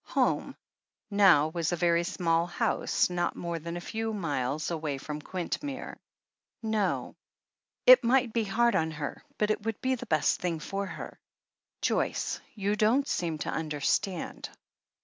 "Home" now was a very small house, not more than a few miles away from Quintmere. "No." "It might be hard on you, but it would be the best thing for her." "Joyce, you don't seem to understand.